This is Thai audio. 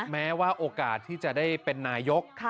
แม้ว่าโอกาสที่จะได้เป็นนายก